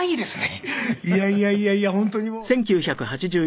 いやいやいやいや本当にもう。